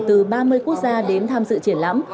từ ba mươi quốc gia đến tham dự triển lãm